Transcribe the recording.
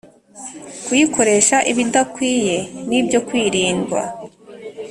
kuyikoresha ibidakwiye ni ibyo kwirindwa